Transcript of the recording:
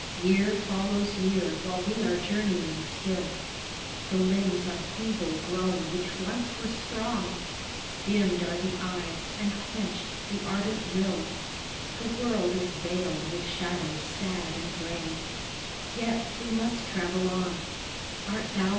Year follows year while we are journeying still, The limbs are feeble grown which once were strong, Dimmed are the eyes and quenched the ardent will, The world is veiled with shadows sad and gray ; Yet we must travel on, Art Thou the way